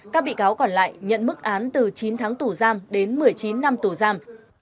các bị cáo còn lại nhận mức án từ chín tháng tù giam đến một mươi chín năm tù giam